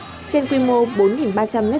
trên quy mô bốn ba trăm linh m hai